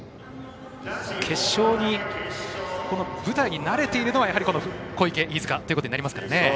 決勝の舞台に慣れているのはこの小池、飯塚ということになりますからね。